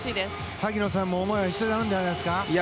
萩野さんも思いは一緒なんじゃないですか。